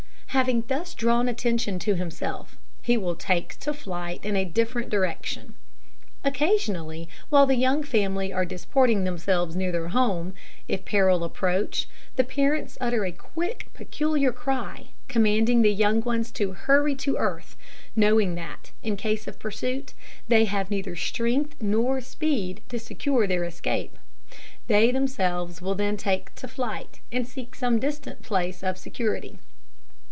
Having thus drawn attention to himself, he will take to flight in a different direction. Occasionally, while the young family are disporting themselves near their home, if peril approach, the parents utter a quick, peculiar cry, commanding the young ones to hurry to earth; knowing that, in case of pursuit, they have neither strength nor speed to secure their escape. They themselves will then take to flight, and seek some distant place of security.